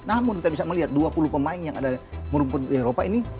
namun kita bisa melihat dua puluh pemain yang ada merumput di eropa ini